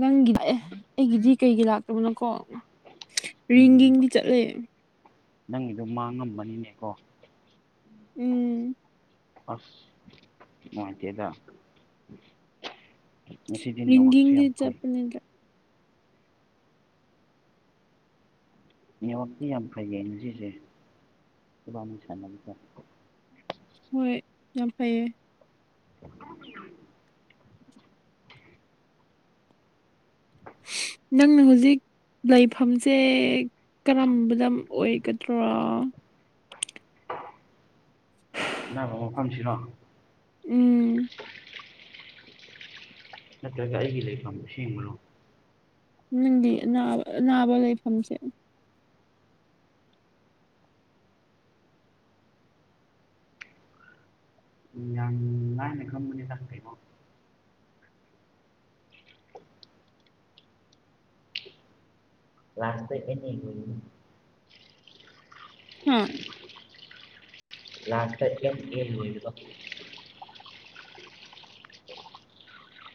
ꯅꯪꯒꯤ ꯂꯥꯛꯑꯦ ꯑꯩꯒꯤꯗꯤ ꯀꯩꯒꯤ ꯂꯥꯛꯇꯕꯅꯣꯀꯣ ꯎꯝ ꯔꯤꯡꯒꯤꯡꯗꯤ ꯆꯠꯂꯦ ꯅꯪꯒꯤꯗꯣ ꯃꯥꯡꯉꯝꯃꯅꯤꯅꯦꯀꯣ ꯎꯝ ꯑꯁ ꯅꯨꯡꯉꯥꯏꯇꯦꯗ ꯉꯁꯤꯗꯤ ꯅꯦꯠꯋꯥꯛꯁꯤ ꯔꯤꯡꯒꯤꯡꯗꯤ ꯌꯥꯝ ꯐꯩ ꯆꯠꯄꯅꯤꯗ ꯅꯦꯠꯋꯥꯛꯇꯤ ꯌꯥꯝ ꯐꯩꯌꯦ ꯉꯁꯤꯁꯦ ꯏꯕꯥꯅꯤ ꯁꯥꯟꯅꯕꯗ ꯍꯣꯏ ꯌꯥꯝ ꯐꯩꯌꯦ [unintelligible] [unintelligible] ꯅꯪꯅ ꯍꯧꯖꯤꯛ ꯂꯩꯐꯝꯁꯦ ꯀꯔꯝꯕꯗ ꯑꯣꯏꯒꯗ꯭ꯔꯣ ꯅꯪ ꯑꯃꯨꯛ ꯐꯝꯁꯤꯔꯣ ꯎꯝ ꯅꯠꯇ꯭ꯔꯒ ꯑꯩꯒꯤ ꯂꯩꯐꯝ ꯑꯁꯦꯡꯕꯔꯣ ꯅꯪꯒꯤ ꯑꯅꯥꯕ ꯑꯅꯥꯕ ꯂꯩꯐꯝꯁꯦ ꯌꯥꯝ ꯂꯥꯏꯅ ꯈꯪꯕꯅ‌ꯦꯗ ꯀ‌ꯩꯅ‌ꯣ ꯀ꯭ꯂꯥꯁꯇ ꯑꯦꯟ ꯌꯦꯡꯏ ꯍꯝ ꯂꯥꯁꯇ ꯑꯦꯝ ꯑ‌ꯦꯝ ꯑꯦ ꯂꯣꯏꯕꯗꯣ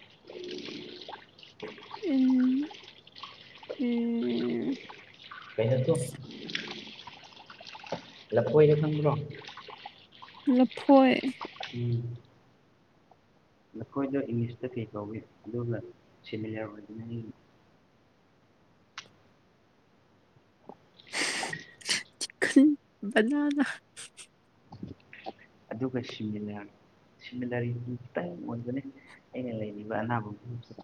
[unintelligible] ꯑ‌ꯦꯟ ꯑ‌ꯦ ꯀꯩꯅꯣꯇꯣ ꯂꯐꯣꯏꯗꯣ ꯈꯪꯕ꯭ꯔꯣ ꯂ ꯐꯣꯏ ꯎꯝ ꯅꯈꯣꯏꯗꯣ ꯏꯪꯂꯤꯁꯇ ꯀꯩ ꯀꯧꯏ ꯑꯗꯨꯒ ꯁꯤꯃꯤꯂꯔ ꯑꯣꯏꯗ‌ꯣꯏꯅꯤ ꯈ ꯕꯅꯥꯅ ꯑꯗꯨꯒ ꯁꯤꯃꯤꯅ ꯁꯤꯃꯤꯟꯅꯔꯤ ꯈꯤꯇꯪ ꯑꯣꯏꯕꯅꯦ ꯑꯩꯅ ꯂꯩꯔꯤꯕ ꯑꯅꯥꯕꯒ꯭ꯔꯨꯁꯤꯗ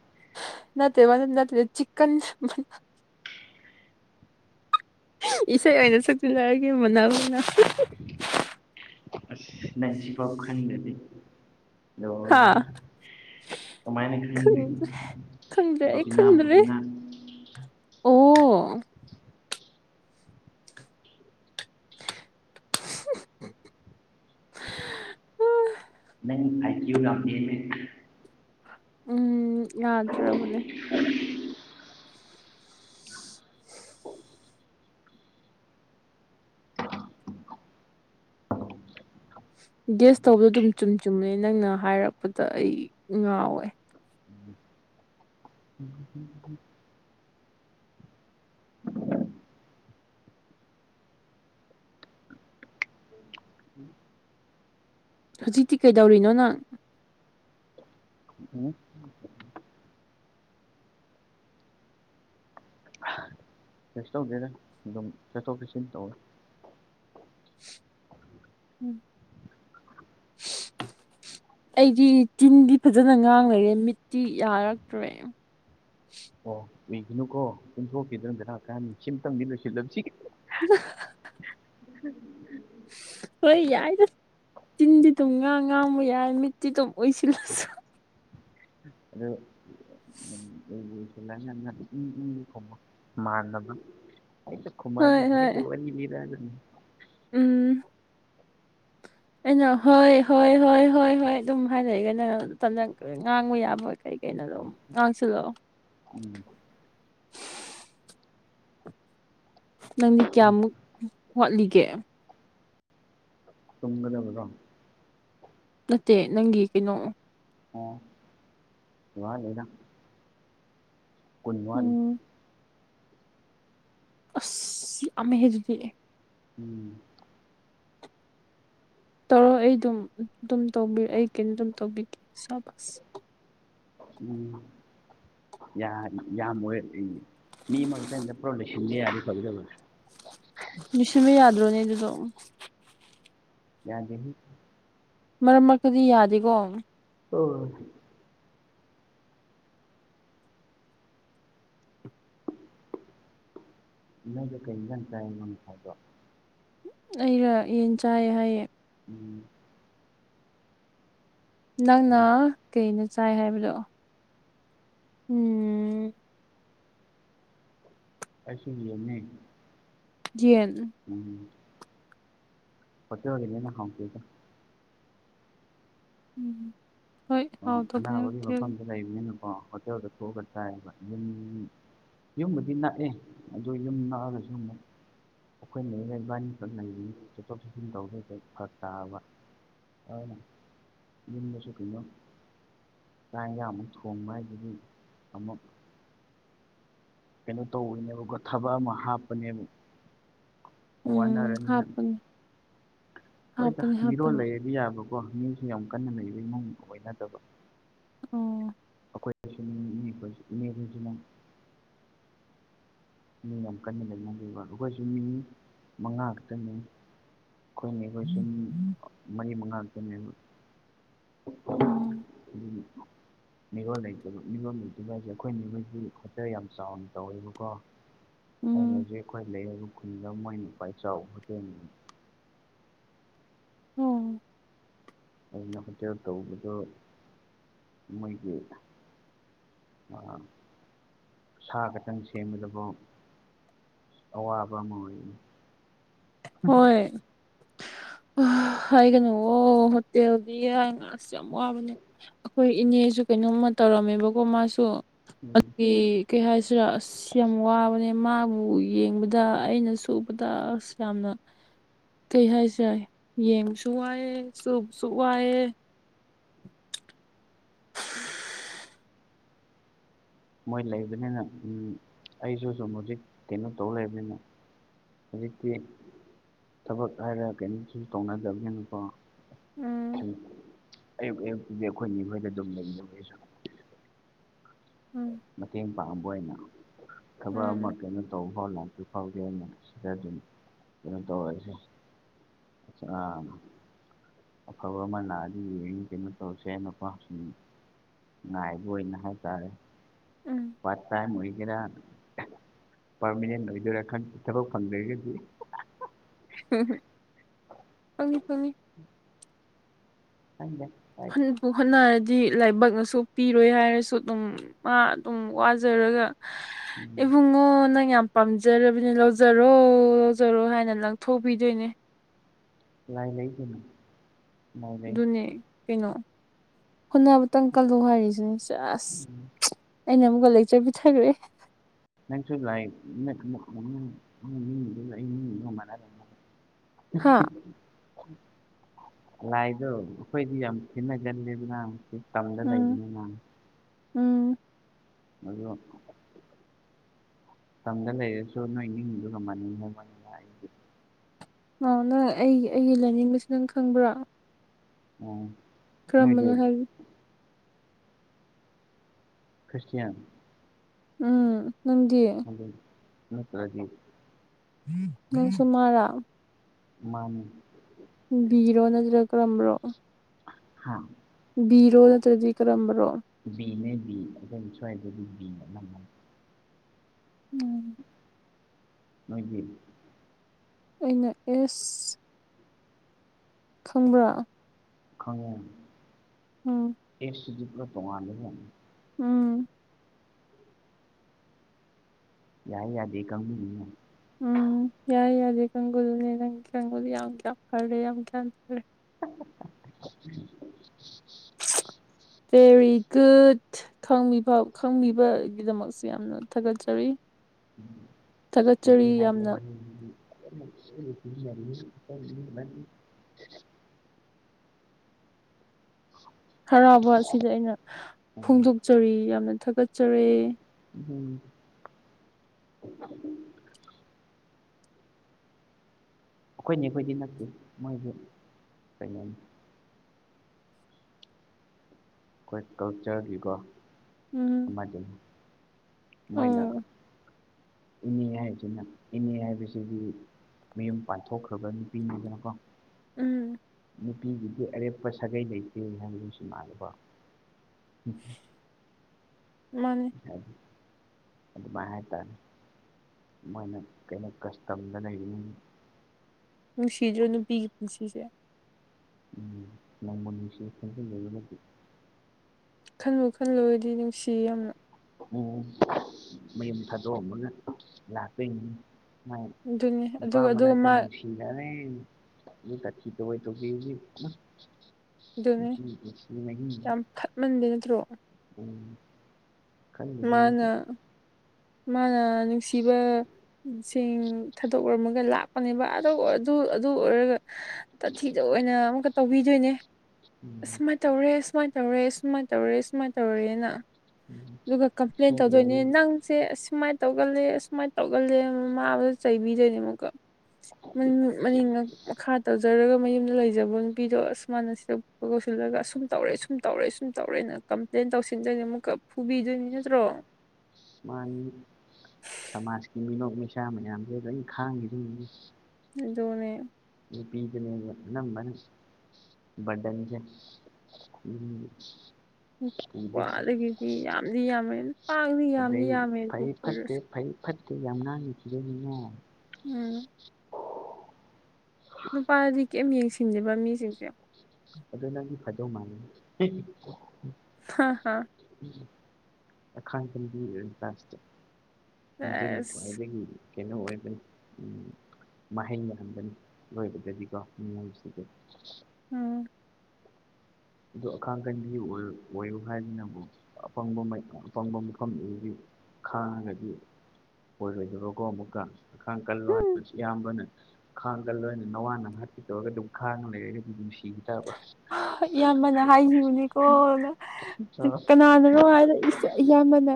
ꯅꯠꯇꯦ ꯋꯥꯏꯔꯟ ꯅꯠꯇꯦ ꯆꯤꯛꯀꯟ ꯏꯁꯩ ꯑꯣꯏꯅ ꯁꯛꯆꯜꯂꯑꯒꯦ ꯃ‌ꯣꯅ ꯒꯨꯝꯅ ꯑꯁ ꯅꯪ ꯁꯤ ꯐꯧ ꯈꯪꯗ꯭ꯔꯗꯤ ꯍꯥ ꯂꯣꯏꯔꯦꯍꯦ ꯀꯃꯥꯏꯅ ꯈꯪ ꯈꯪꯗꯔꯤꯅꯣ ꯈꯪꯗ꯭ꯔꯦ ꯑꯩ ꯕꯕꯤꯅꯥ ꯈꯪꯗ꯭ꯔꯦ ꯕꯕꯤꯅꯥ ꯑꯣ ꯑ ꯅꯪ ꯑꯥꯏ ꯀꯌꯨ ꯌꯥꯝ ꯅꯦꯝꯃꯦ ꯎꯝ ꯌꯥꯗ꯭ꯔꯥꯕꯅꯦ ꯒ꯭ꯌꯥꯁ ꯇꯧꯕꯗꯣ ꯑꯗꯨꯝ ꯆꯨꯝ ꯆꯨꯝꯃꯦ ꯅꯪꯅ ꯍꯥꯏꯔꯛꯄꯗ ꯑꯩ ꯉꯥꯎꯋꯦ [inaudible] ꯍꯧꯖꯤꯛꯇꯤ ꯀꯩꯗꯧꯔꯤꯅꯣ ꯅꯪ ꯎꯝ ꯀꯩꯁꯨ ꯇꯧꯗꯦꯗ ꯑꯗꯨꯝ ꯆꯠꯊꯣꯛ ꯆꯠꯁꯤꯟ ꯇꯧꯋꯦ [unintelligible] ꯑꯩꯗꯤ ꯆꯤꯟꯗꯤ ꯐꯖꯅ ꯉꯥꯡꯅꯔꯦ ꯃꯤꯠꯇꯤ ꯌꯥꯔꯛꯇ꯭ꯔꯦ ꯑꯣ ꯎꯏꯒꯅꯨꯀꯣ ꯇꯨꯝꯊꯣꯛꯈꯤꯗꯅ ꯕꯦꯔꯥ ꯀꯥꯅꯤ ꯁꯤꯝꯇꯪꯗꯤ ꯂꯣꯏꯁꯜꯂꯝꯁꯤ [unintelligible] [unintelligible] ꯍꯣꯏ ꯌꯥꯏꯗ ꯆꯤꯟꯗꯤ ꯑꯗꯨꯝ ꯉꯥꯡ ꯉꯥꯡꯕꯨ ꯌꯥꯏ ꯃꯤꯠꯇꯤ ꯑꯗꯨꯝ ꯎꯏꯁꯤꯜꯂꯁꯨ [unintelligible] ꯅꯪ ꯑꯩꯕꯨ [unintelligible] ꯍꯣꯏ ꯍꯣꯏ [unintelligible] ꯎꯝ ꯑꯩꯅ ꯍꯣꯏ ꯍꯣꯏ ꯍꯣꯏ ꯍꯣꯏ ꯍꯣꯏ ꯑꯗꯨꯝ ꯍꯥꯏꯔꯛꯏꯒꯅ ꯉꯥꯡꯕ ꯌꯥꯕ ꯀꯩ ꯀꯩꯅꯣꯗꯣ ꯉꯥꯡꯁꯜꯂꯛꯑꯣ ꯎꯝ ꯅꯪꯗꯤ ꯀꯌꯥꯃꯨꯛ ꯍꯣꯠꯂꯤꯒꯦ ꯇꯨꯝꯒꯗꯕꯗꯣ ꯅꯠꯇꯦ ꯅꯪꯒꯤ ꯀꯩꯅꯣ ꯑꯣ ꯋꯥꯠꯂꯤꯗ ꯀꯨꯟ ꯋꯥꯠꯂꯤ ꯎꯝ ꯑꯁ ꯌꯥꯝꯃꯤꯍꯦ ꯑꯗꯨꯗꯤ ꯎꯝ ꯇꯧꯔꯣ ꯑꯩ ꯗꯨꯝ ꯗꯨꯝ ꯇꯧꯕꯤ ꯑꯩ ꯀꯩꯅꯣ ꯗꯨꯝ ꯇꯧꯕꯤꯒꯦ ꯁꯕꯥꯁ ꯎꯝ ꯌꯥ ꯌꯥꯝꯃꯣꯏꯌꯦ ꯃꯤꯃꯛꯇꯝ ꯄ꯭ꯔꯣꯗꯁꯟꯕ ꯌꯥꯗꯤ ꯐꯒꯗꯕ ꯂꯨꯁꯤꯟꯕ ꯌꯥꯗ꯭ꯔꯣꯅꯦ ꯑꯗꯨꯁꯨ ꯌꯥꯗꯦꯍꯦ ꯃꯔꯛ ꯃꯔꯛꯇꯗꯤ ꯌꯥꯗꯦꯀꯣ ꯑꯣ ꯅꯪꯗꯣ ꯀꯩ ꯍꯦꯟꯖꯥꯡ ꯆꯥꯏꯕ ꯉꯁꯥꯏꯗꯣ ꯑꯩꯔ ꯌꯦꯟ ꯆꯥꯏꯌꯦ ꯍꯥꯏꯌꯦ ꯎꯝ [inaudible] ꯅꯪꯅ ꯑꯣ ꯀꯩꯅꯣ ꯆꯥꯏ ꯍꯥꯏꯕꯗꯣ ꯎꯝ ꯑꯩꯁꯨ ꯌꯦꯟꯅꯦ ꯌꯦꯟ ꯎꯝ ꯍꯣꯇꯦꯜꯒꯤꯅꯤꯅ ꯍꯥꯎꯇꯦꯗ ꯎꯝ ꯍꯣꯏ ꯑꯣ ꯍꯥꯎꯇꯕꯅꯤ ꯑꯅꯥꯕꯒꯤ ꯑꯗꯨꯗꯤ ꯃꯐꯝꯗ ꯂꯩꯕꯅꯤꯅꯀꯣ ꯍꯣꯇꯦꯜꯗ ꯊꯣꯛꯑꯒ ꯆꯥꯏꯌꯦꯕ ꯌꯨꯝ ꯌꯨꯝꯕꯨꯗꯤ ꯅꯛꯑꯦ ꯑꯗꯣ ꯌꯨꯝ ꯅꯛꯑꯒꯁꯨ ꯑꯃꯨꯛ ꯑꯩꯈꯣꯏꯅꯦ ꯏꯕꯥꯅꯤꯈꯛꯇꯪ ꯂꯩꯕꯅꯤꯅ ꯆꯠꯊꯣꯛ ꯆꯠꯁꯤꯟ ꯇꯧꯕꯗ ꯈꯔ ꯐꯔꯛ ꯇꯥꯕ ꯑꯗꯨꯅꯤ ꯌꯨꯝꯗꯁꯨ ꯀꯩꯅꯣ ꯆꯥꯛ ꯍꯦꯟꯖꯥꯡ ꯑꯃꯨꯛ ꯊꯣꯡꯕ ꯍꯥꯏꯗꯨꯗꯤ ꯑꯃꯨꯛ ꯀꯩꯅꯣ ꯇꯧꯕꯅꯦꯕꯀꯣ ꯊꯕꯛ ꯑꯃ ꯍꯥꯞꯄꯅꯦꯕ ꯎꯝ ꯋꯥꯅꯔꯅꯤꯅ ꯍꯥꯞꯄꯅꯦ ꯍꯣꯏꯗ ꯍꯥꯞꯄꯅꯦ ꯃꯤꯔꯣꯜ ꯍꯥꯞꯄꯅꯦ ꯂꯩꯌꯦ ꯍꯥꯏꯕ ꯌꯥꯕꯀꯣ ꯃꯤꯁꯨ ꯌꯥꯝ ꯀꯟꯅ ꯂꯩꯕ ꯏꯃꯨꯡ ꯑꯣꯏꯕ ꯅꯠꯇꯕ ꯑꯣ ꯑꯩꯈꯣꯏꯗꯁꯨ ꯑꯩꯈꯣꯏ ꯏꯁꯤꯡꯁꯤ ꯃꯤ ꯌꯥꯝ ꯀꯟꯅ ꯂꯩꯅꯕꯤꯕ ꯑꯩꯈꯣꯏꯁꯨ ꯃꯤ ꯃꯉꯥ ꯈꯛꯇꯅꯦ ꯑꯩꯈꯣꯏꯅꯦꯍꯣꯏꯁꯨ ꯃꯤ ꯎꯝ ꯃꯔꯤ ꯃꯉꯥ ꯈꯛꯇꯅꯦꯕ ꯎꯝ ꯑꯗꯨꯒꯤ ꯃꯤꯔꯣꯜ ꯂꯩꯇꯕ ꯃꯤꯔꯣꯜ ꯂꯩꯇꯕ ꯍꯥꯏꯁꯦ ꯑꯩꯈꯣꯏ ꯅꯦꯍꯣꯏꯒꯤ ꯍꯣꯇꯦꯜ ꯌꯥꯝ ꯆꯥꯎꯅ ꯇꯧꯋꯦꯕꯀꯣ ꯑꯩꯅ ꯎꯝ ꯍꯧꯖꯤꯛ ꯑꯩꯈꯣꯏ ꯂꯩꯕ ꯈꯨꯟꯗ ꯃꯣꯏꯅ ꯈ꯭ꯋꯥꯏ ꯆꯥꯎꯕ ꯍꯣꯇꯦꯜꯅꯤ ꯑꯣ ꯑꯗꯨꯅ ꯍꯣꯇꯦꯜ ꯇꯧꯕꯗ ꯃꯣꯏꯒꯤ ꯁꯥ ꯈꯛꯇꯪ ꯁꯦꯝꯕꯗꯕꯧ ꯑꯋꯥꯕ ꯑꯃ ꯑꯣꯏꯌꯦ ꯍꯣꯏ ꯍꯥꯏꯒꯅꯨ ꯑꯣ ꯍꯣꯇꯦꯜꯗꯤ ꯋꯥꯁꯨ ꯌꯥꯝ ꯋꯥꯕꯅꯦ ꯑꯩꯈꯣꯏ ꯏꯅꯦꯁꯨ ꯀꯩꯅꯣꯝꯃ ꯇꯧꯔꯝꯃꯦꯕꯀꯣ ꯃꯥꯁꯨ ꯎꯝ ꯑꯗꯨꯒꯤ ꯀꯩ ꯍꯥꯏꯁꯤꯔ ꯑꯁ ꯌꯥꯝ ꯋꯥꯕꯅꯦ ꯃꯥꯕꯨ ꯌꯦꯡꯕꯗ ꯑꯩꯅꯁꯨ ꯎꯕꯗ ꯑꯁ ꯌꯥꯝꯅ ꯀꯩ ꯍꯥꯏꯁꯤꯔꯥ ꯌꯦꯡꯕꯁꯨ ꯋꯥꯏꯑꯦ ꯎꯕꯁꯨ ꯋꯥꯏꯑꯦ ꯃꯣꯏꯁꯨ ꯂꯩꯕꯅꯤꯅ ꯑꯩꯁꯨ ꯁꯨꯝ ꯍꯧꯖꯤꯛ ꯀꯩꯅꯣ ꯇꯧ ꯂꯩꯕꯅꯤꯅ ꯍꯧꯖꯤꯛꯇꯤ ꯊꯕꯛ ꯍꯥꯏꯔ ꯀꯩꯅꯣꯁꯨ ꯇꯧꯅꯗꯕꯅꯤꯅꯀꯣ ꯎꯝ ꯑꯌꯨꯛ ꯑꯌꯨꯛꯇꯗꯤ ꯑꯩꯈꯣꯏꯅꯤꯍꯣꯏꯗ ꯑꯗꯨꯝ ꯂꯩꯕ ꯎꯝ ꯃꯇꯦꯡ ꯄꯥꯡꯕ ꯑꯣꯏꯅ ꯊꯕꯛ ꯑꯃ ꯎꯝ ꯀꯩꯅꯣ ꯇꯧꯕ ꯐꯥꯎ ꯂꯥꯛꯄꯤ ꯐꯥꯎꯒꯦꯅ ꯁꯤꯗ ꯑꯗꯨꯝ ꯀꯩꯅꯣ ꯇꯧꯔꯛꯏꯁꯦ ꯑ ꯑꯐꯕ ꯑꯃ ꯂꯥꯛꯑꯗꯤ ꯌꯦꯡꯅꯤ ꯀꯩꯅꯣ ꯇꯧꯔꯁꯦ ꯅꯄꯥ ꯍꯥꯞꯆꯤꯟꯅꯤꯡꯤ ꯉꯥꯏꯕ ꯑꯣꯏꯅ ꯍꯥꯏꯇꯥꯔꯦ ꯎꯝ ꯄꯥꯔꯠ ꯇꯥꯏꯝ ꯑꯣꯏꯒꯦꯔ ꯄꯥꯔꯃꯤꯅꯦꯟ ꯑꯣꯏꯗꯣꯏꯔꯥ ꯈꯪꯗꯦ ꯊꯕꯛ ꯐꯪꯗ꯭ꯔꯒꯗꯤ ꯎꯝꯝ ꯄꯪꯉꯤ ꯄꯪꯉꯤ ꯈꯪꯗꯦ ꯍꯣꯠꯅꯔꯗꯤ ꯂꯥꯏꯕꯛꯅꯁꯨ ꯄꯤꯔꯣꯏ ꯍꯥꯏꯔꯁꯨ ꯑꯗꯨꯝ ꯃꯥ ꯑꯗꯨꯝ ꯋꯥꯖꯔꯒ ꯏꯕꯨꯡꯉꯣ ꯅꯪ ꯌꯥꯝ ꯄꯥꯝꯖꯔꯕꯅꯦ ꯂꯧꯖꯔꯣ ꯂꯧꯖꯔꯣ ꯍꯥꯏꯅ ꯂꯪꯊꯣꯛꯄꯤꯗꯣꯏꯅꯦ ꯂꯩ ꯂꯩ ꯀ ꯑꯗꯨꯅꯦ ꯀꯩꯅꯣ ꯍꯣꯅꯕꯇꯪ ꯀꯜꯂꯨ ꯍꯥꯏꯔꯤꯁꯤꯅꯦ ꯆꯁ ꯎꯝ ꯑꯩꯅ ꯑꯃꯨꯛꯀ ꯂꯩꯆ ꯄꯤꯊꯈ꯭ꯔꯦ ꯅꯪꯁꯨ ꯂꯥꯏꯛ ꯃꯤ ꯊ ꯍꯥꯥ ꯊ ꯂꯥꯏꯗꯣ ꯑꯩꯈꯣꯏꯗꯤ ꯌꯥꯝ ꯊꯤꯟꯅꯒꯂꯦꯗꯅꯛꯇ ꯇꯝꯗ ꯎꯝ ꯂꯩꯗꯅ ꯃꯥꯅꯤ ꯎꯝ ꯑ ꯃꯇꯝꯗ ꯂꯩꯔꯁꯨ ꯅꯣꯏ ꯅꯤꯡꯗꯨ ꯉꯝꯃꯅꯤꯡꯃꯅꯤ [unintelligible] ꯑꯣ ꯅꯪ ꯑꯩ ꯑꯩꯒꯤ ꯂꯥꯏꯅꯤꯡꯕꯁꯤ ꯅꯪ ꯈꯪꯕ꯭ꯔꯥ ꯎ ꯀꯔꯝꯃꯅ ꯍꯥꯏꯗꯤ ꯈ꯭ꯔꯤꯁꯇꯌꯥꯟ ꯎꯝ ꯅꯪꯗꯤ ꯑꯗꯨꯝ ꯅꯠꯇ꯭ꯔꯗꯤ ꯎꯝ ꯅꯪꯁꯨ ꯃꯔꯥ ꯃꯥꯅꯤ ꯕꯤꯔꯣ ꯅꯪꯖꯔ ꯀꯔꯝꯕ꯭ꯔꯣ ꯍꯥꯥ ꯕꯤꯔꯣ ꯅꯠꯇ꯭ꯔꯗꯤ ꯀꯔꯝꯕꯔꯣ ꯕꯤꯅꯦ ꯕꯤ ꯁ꯭ꯋꯥꯏꯗꯗꯤ ꯕꯤ ꯎꯝ ꯃꯥꯒꯤ ꯑꯩꯅ ꯑꯦꯁ ꯈꯪꯕ꯭ꯔꯥ ꯈꯉꯦ ꯎꯝ ꯑꯦꯁ ꯁꯤ ꯖꯤꯐ ꯇꯣꯡꯅꯤꯕ ꯎꯝ ꯌꯥꯏ ꯌꯥꯗꯦ ꯀꯥꯡꯒꯨ ꯅꯤꯅꯦ ꯎꯝ ꯌꯥꯏ ꯌꯥꯗꯦ ꯀꯥꯡꯒꯨꯜꯅꯦ ꯅꯪ ꯀꯥꯡꯒꯨꯜ ꯌꯥꯝ ꯀ꯭ꯌꯥꯝ ꯐꯔꯦ ꯌꯥꯝ ꯀꯌꯥꯝ ꯐꯔꯦ [unintelligible] ꯕꯦꯔꯤ ꯒꯨꯗ ꯈꯪꯕꯤꯕ ꯈꯪꯕꯤꯕꯒꯤꯗꯃꯛꯁꯦ ꯌꯥꯝ ꯌꯥꯝꯅ ꯊꯥꯒꯠꯆꯔꯤ ꯎ ꯃꯁꯤ ꯊꯥꯒꯠꯆꯔꯤ ꯍꯥꯏꯕ ꯌꯥꯝꯅ ꯋꯥꯅꯤ [unintelligible] ꯍꯔꯥꯎꯕ ꯑꯁꯤꯗ ꯑꯩꯅ ꯐꯣꯡꯗꯣꯛꯆꯔꯤ ꯌꯥꯝꯅ ꯊꯥꯒꯠꯆꯔꯦ ꯎꯝ ꯑꯩꯈꯣꯏꯅꯤ ꯑꯩꯈꯣꯏꯗꯤ ꯅꯠꯇꯦ ꯃꯣꯏꯕꯨ ꯀꯩꯅꯣꯅꯤ ꯑꯩꯈꯣꯏ ꯀꯜꯆꯔꯒꯤꯀꯣ ꯎꯝ ꯃꯗꯨ ꯃꯣꯏꯅ ꯑꯣ ꯏꯅꯦ ꯍꯥꯏꯕꯁꯤꯅ ꯏꯅꯦ ꯍꯥꯏꯕꯁꯤꯗꯤ ꯃꯌꯨꯝ ꯄꯥꯟꯊꯣꯛꯈ꯭ꯔꯕ ꯅꯨꯄꯤꯅꯤꯗꯅꯀꯣ ꯎꯝ ꯅꯨꯄꯤꯒꯤꯗꯤ ꯑꯔꯦꯞꯄ ꯁꯥꯒꯩ ꯂꯩꯇꯦꯅꯤ ꯍꯥꯏꯕꯗꯨꯁꯨ ꯃꯥꯜꯂꯦꯕ ꯃꯥꯅꯦ ꯍꯥꯏ ꯑꯗꯨ ꯃꯥ ꯍꯥꯏ ꯇꯔꯦ ꯃꯣꯏꯅ ꯀꯩꯅꯣ ꯀꯁꯇꯝꯗ ꯂꯩꯔꯤꯅꯤ ꯅꯨꯡꯁꯤꯗ꯭ꯔꯣ ꯅꯨꯄꯤꯒꯤ ꯄꯨꯟꯁꯤꯁꯦ ꯎꯝ ꯅꯪꯃꯣꯟꯅꯤꯁꯦ ꯐꯖꯝꯖꯕ ꯃꯔꯗꯤ ꯈꯜꯂꯨ ꯈꯜꯂꯨꯔꯗꯤ ꯅꯨꯡꯁꯤ ꯌꯥꯝꯅ ꯎꯝ ꯃꯌꯨꯝ ꯊꯥꯗꯣꯛꯑꯝꯃꯒ ꯂꯥꯛꯇꯣꯏꯅꯤ ꯑꯗꯨꯅꯤ ꯅꯨꯄꯥ ꯑꯗꯨꯒ ꯑꯗꯨꯒ ꯃꯅꯥꯇ ꯃꯥ ꯌꯥꯔꯦ ꯑꯃꯨꯛ ꯇꯊꯤ ꯇꯑꯣꯏ ꯇꯧꯕꯤꯔꯗꯤ ꯎꯝ ꯅꯨꯄꯤ ꯄꯨꯟꯁꯤ ꯃꯍꯤꯡ ꯃꯟꯕꯩ ꯅꯠꯇ꯭ꯔꯣ ꯎꯝ ꯈꯜꯂꯤꯅꯦ ꯑꯩꯁꯨ ꯃꯥꯅ ꯃꯥꯅ ꯅꯨꯡꯁꯤꯕ ꯁꯤꯡ ꯊꯥꯗꯣꯛꯔꯝꯃꯒ ꯂꯥꯛ ꯄꯪꯅꯤꯡꯕ ꯑꯗꯨ ꯑꯗꯨ ꯑꯗꯨ ꯑꯣꯏꯔꯒ ꯇꯥꯊꯤꯗ ꯑꯣꯏꯅ ꯑꯃꯨꯛꯀ ꯇꯧꯕꯤꯗꯣꯏꯅꯦ ꯎꯝ ꯑꯁꯃꯠ ꯇꯧꯔꯦ ꯁꯨꯃꯥꯏꯅ ꯇꯧꯔꯦ ꯁꯨꯃꯥꯏꯅ ꯇꯧꯔꯦ ꯁꯨꯃꯥꯏꯅ ꯇꯧꯔꯦꯅ ꯎꯝ ꯑꯗꯨꯒ ꯀꯝꯄ꯭ꯂꯦꯟ ꯇꯧꯗꯣꯏꯅꯦ ꯁꯣꯏꯗ꯭ꯔꯕꯅꯤ ꯅꯪ ꯁꯦ ꯑꯁꯨꯃꯥꯏꯅ ꯇꯧꯒꯜꯂꯦ ꯑꯁꯨꯃꯥꯏ ꯇꯧꯒꯜꯂꯦ ꯃꯃꯥꯗ ꯆꯩꯕꯤꯗꯣꯏꯅꯦ ꯑꯃꯨꯛꯀ ꯃꯅꯤꯡ ꯃꯈꯥ ꯇꯧꯖꯔꯒ ꯃꯌꯨꯝꯗ ꯂꯩꯖꯕ ꯅꯨꯄꯤꯗꯣ ꯑꯁꯨꯃꯥꯏꯅ ꯁꯤꯗꯣꯛꯄ ꯀꯧꯠꯁꯤꯜꯂꯒ ꯑ ꯁꯨꯝ ꯇꯧꯔꯦ ꯁꯨꯝ ꯇꯧꯔꯦ ꯁꯨꯝ ꯇꯧꯔꯦꯅ ꯀ ꯑꯗꯩ ꯇꯧꯁꯤꯟꯗꯣꯏꯅꯣ ꯑꯃꯨꯛꯀ ꯐꯨꯕꯤꯗꯣꯏꯅꯤ ꯅꯠꯇ꯭ꯔꯣ ꯃꯥꯅꯤ ꯁꯃꯥꯖꯀꯤ ꯃꯤꯅꯣꯛ ꯃꯩꯁꯥ ꯃꯌꯥꯝꯁꯦ ꯂꯣꯏꯅ ꯈꯥꯡꯈꯤꯗꯣꯏꯅꯤ ꯑꯗꯨꯅꯦ ꯅꯨꯄꯤꯗꯅꯦꯕ ꯑꯅꯝꯕꯥꯅ ꯕꯔꯗꯟꯁꯦ ꯎꯝ ꯋꯥꯗꯒꯤꯗꯤ ꯌꯥꯝꯗꯤ ꯌꯥꯝꯃꯦ ꯄꯥꯡꯗꯤ ꯌꯥꯝꯗꯤ ꯑꯗꯩ ꯌꯥꯝꯃꯦ ꯑꯗꯨ ꯐꯩ ꯐꯠꯇꯦ ꯑꯣꯏꯔꯁꯨ ꯐꯩ ꯐꯠꯇꯦ ꯌꯥꯝ ꯉꯡꯉꯤ ꯅꯣ ꯎꯝ ꯅꯨꯄꯥꯗꯤ ꯀꯦꯝ ꯌꯦꯡꯁꯤꯟꯗꯦꯕ ꯃꯤꯁꯤꯡꯁꯦ ꯑꯗꯣ ꯅꯪꯗꯤ ꯐꯗꯧ ꯃꯥꯥꯟꯂꯦ ꯍꯥ ꯍꯥ ꯑꯈꯥꯡꯀꯟꯕꯤ ꯑꯣꯏꯔꯅꯤ ꯂꯁꯇꯥ ꯃꯗꯨꯅ ꯑꯁ ꯈ꯭ꯋꯥꯏꯗꯒꯤ ꯀꯩꯅꯣ ꯑꯣꯏꯕꯅꯤ ꯎꯝ ꯃꯍꯩꯕꯍꯟꯕꯅꯤ ꯂꯣꯏꯕꯗꯗꯤꯀꯣ ꯅꯨꯡꯉꯥꯏꯁꯤꯗꯤ ꯎꯝ ꯑꯗꯨ ꯑꯈꯥꯡꯀꯟꯕꯤ ꯑꯣꯏ ꯑꯣꯏꯌꯨ ꯍꯥꯏꯗꯅꯕꯨ ꯑꯄꯪꯕ ꯃꯩ ꯑꯄꯪꯕ ꯃꯐꯝ ꯈꯥꯡꯉꯒꯗꯤ ꯑꯣꯏꯔꯣꯏꯗꯕꯀꯣ ꯑꯃꯨꯛꯀꯥ ꯑꯥꯈꯥꯡ ꯀꯜꯂꯣ ꯍꯥꯏ ꯁꯨ ꯏꯌꯥꯝꯕꯅ ꯈꯥꯡꯀꯜꯂꯣ ꯍꯥꯏꯅ ꯅꯋꯥꯅ ꯍꯠꯀꯦ ꯇꯧꯔꯒ ꯑꯗꯨꯝ ꯈꯥꯡꯉꯥ ꯂꯩꯔꯒꯗꯤ ꯗꯨꯝ ꯁꯤꯈꯤꯇꯥꯕ ꯏꯌꯥꯝꯕꯅ ꯍꯥꯏꯈꯤꯕꯅꯦꯀꯣꯅ ꯀꯅꯥꯅꯥꯔꯣ ꯍꯥꯏꯔ ꯏꯁ ꯏꯌꯥꯝꯕꯅ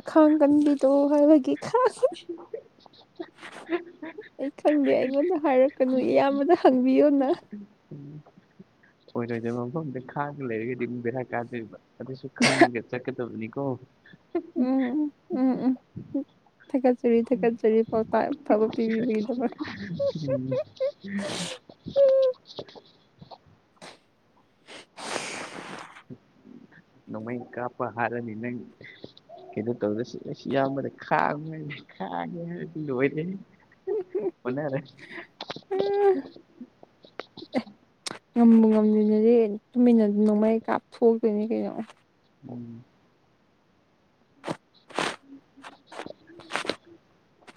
ꯑꯈꯥꯡꯀꯟꯕꯤꯗꯣ ꯍꯥꯏꯕꯒꯤ ꯈꯥꯡꯕꯅꯤ ꯑꯩ ꯈꯪꯗꯦ ꯑꯩꯉꯣꯟꯗ ꯍꯥꯏꯔꯛꯀꯅꯨ ꯏꯌꯥꯝꯕꯗ ꯍꯪꯕꯤꯌꯣꯅ ꯎꯝ ꯑꯣꯏꯔꯣꯏꯗꯣꯏꯕ ꯃꯐꯝꯗ ꯈꯥꯡꯂꯒ ꯂꯩꯔꯒꯗꯤ ꯑꯃꯨꯛ ꯕꯦꯔꯥ ꯀꯥꯗꯣꯏꯕ ꯑꯗꯨꯁꯨ ꯈꯪꯉꯥꯒ ꯆꯠꯀꯗꯕꯅꯤꯀꯣ [unintelligible] ꯎꯝ [unintelligible] ꯊꯥꯒꯠꯆꯔꯤ ꯊꯥꯒꯠꯆꯔꯤ ꯄꯥꯎꯇꯛ ꯑꯐꯥꯕ ꯄꯤꯕꯤꯕꯒꯤꯗꯃꯛ [unintelligible] ꯅꯣꯡꯃꯩ ꯀꯥꯞꯄ ꯍꯥꯔꯅꯤ ꯅꯪ ꯀꯩꯅꯣ ꯇꯧꯔꯒꯁꯨ ꯑꯁ ꯏꯌꯥꯝꯕꯅ ꯈꯥꯡꯉꯨ ꯍꯥꯏꯅ ꯈꯥꯡꯉꯦ ꯍꯥꯏꯔꯗꯤ ꯂꯣꯏꯔꯦꯍꯦ ꯑꯣꯟꯅꯔꯦ [unintelligible] ꯉꯝꯕꯨ ꯉꯝ [unintelligible] ꯅꯗꯦ ꯇꯨꯃꯤꯟꯅ ꯅꯣꯡꯃꯩ ꯀꯥꯞꯊꯣꯛꯇꯣꯏꯅꯦ ꯀꯩꯅꯣ [unintelligible] [unintelligible]